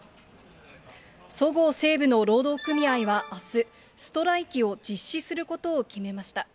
そごう・西武の労働組合はあす、ストライキを実施することを決めました。